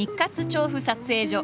調布撮影所。